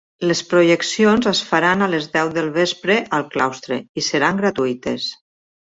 Les projeccions es faran a les deu del vespre al claustre, i seran gratuïtes.